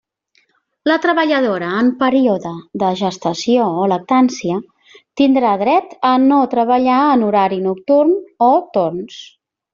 La treballadora en període de gestació o lactància tindrà dret a no treballar en horari nocturn o torns.